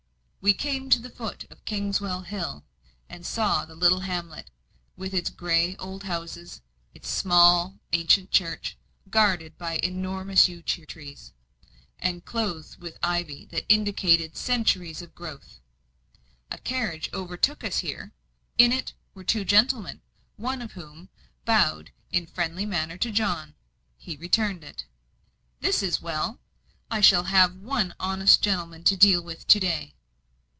We came to the foot of Kingswell Hill, and saw the little hamlet with its grey old houses, its small, ancient church, guarded by enormous yew trees, and clothed with ivy that indicated centuries of growth. A carriage overtook us here; in it were two gentlemen, one of whom bowed in a friendly manner to John. He returned it. "This is well; I shall have one honest gentleman to deal with to day."